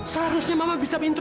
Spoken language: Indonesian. seharusnya mama bisa introspeknya